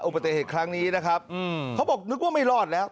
ปฏิเหตุครั้งนี้นะครับเขาบอกนึกว่าไม่รอดแล้ว